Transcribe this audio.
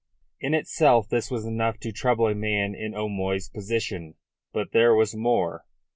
In itself this was enough to trouble a man in O'Moy's position. But there was more.